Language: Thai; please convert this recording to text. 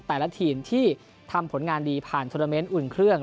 แต่ละทีมที่ทำผลงานดีผ่านโทรเมนต์อุ่นเครื่อง